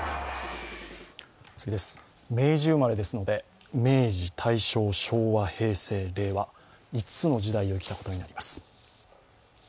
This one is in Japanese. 明治生まれですので、明治、大正、昭和、平成、令和、５つの時代を生きたことになります